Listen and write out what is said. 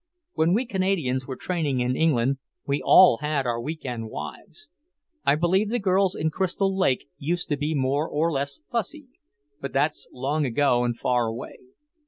When we Canadians were training in England, we all had our week end wives. I believe the girls in Crystal Lake used to be more or less fussy, but that's long ago and far away.